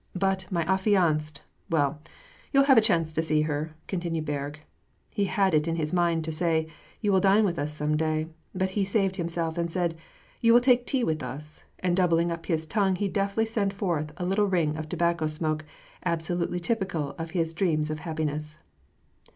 But my affianced — well, you'll have a chance to see her," continued Berg. He had it in mind to say, " You will dine with us some day," but he saved himself, and said, "You will take tea with us," and doubling up his tongue he deftly sent forth a little ring of tobacco smoke, absolutely typical of his dreams of happiness.